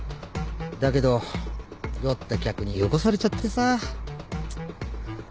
だけど酔った客に汚されちゃってさ。チッ。